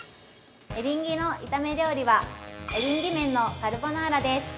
エリンギの炒め料理は「エリンギ麺のカルボナーラ」です。